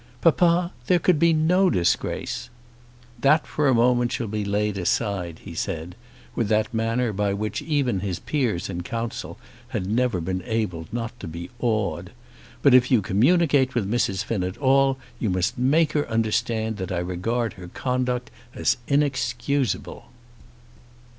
"Papa, there could be no disgrace." "That for a moment shall be laid aside," he said, with that manner by which even his peers in council had never been able not to be awed, "but if you communicate with Mrs. Finn at all you must make her understand that I regard her conduct as inexcusable."